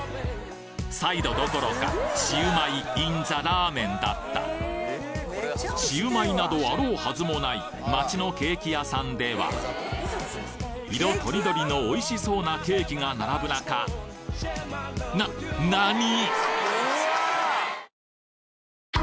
サイドどころかシウマイインザラーメンだったシウマイなどあろうはずもない街のケーキ屋さんでは色とりどりのおいしそうなケーキが並ぶ中ななに！？